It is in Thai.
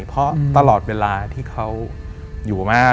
เพราะตลอดเวลาที่เขาอยู่มาก